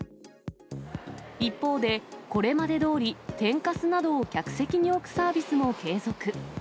一方で、これまでどおり天かすなどを客席に置くサービスも継続。